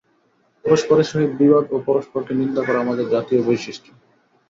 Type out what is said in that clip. পরস্পরের সহিত বিবাদ ও পরস্পরকে নিন্দা করা আমাদের জাতীয় বৈশিষ্ট্য।